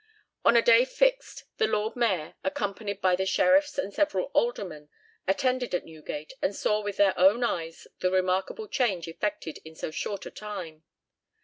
On a day fixed the Lord Mayor, accompanied by the sheriffs and several aldermen, attended at Newgate, and saw with their own eyes the remarkable change effected in so short a time.